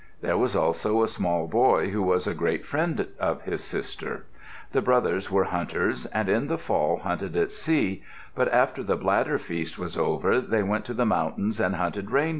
There was also a small boy who was a great friend of his sister. The brothers were hunters and in the fall hunted at sea, but after the Bladder feast was over they went to the mountains and hunted reindeer.